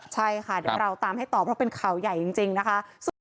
ใช่ค่ะเดี๋ยวเราตามให้ต่อเพราะเป็นข่าวใหญ่จริงนะคะ